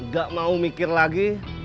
gak mau mikir lagi